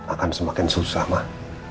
akan semakin susah